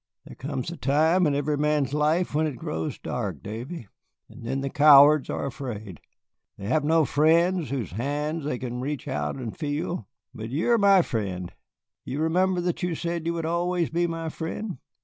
"There comes a time in every man's life when it grows dark, Davy, and then the cowards are afraid. They have no friends whose hands they can reach out and feel. But you are my friend. You remember that you said you would always be my friend?